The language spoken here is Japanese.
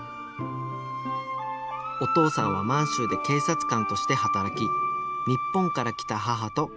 お父さんは満州で警察官として働き日本から来た母と結婚。